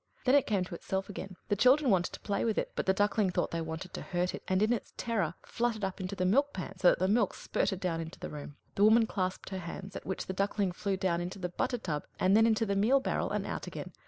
Then it came to itself again. The children wanted to play with it; but the Duckling thought they wanted to hurt it, and in its terror fluttered up into the milk pan, so that the milk spurted down into the room. The woman clasped her hands, at which the Duckling flew down into the butter tub, and then into the meal barrel and out again.